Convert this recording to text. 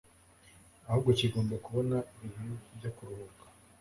ahubwo kigomba kubona ibihe byo kuruhuka